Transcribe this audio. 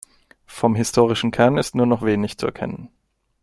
Vom historischen Kern ist nur noch wenig zu erkennen.